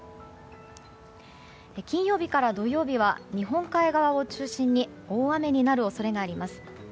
金曜日から土曜日は日本海側を中心に大雨になる恐れがあります。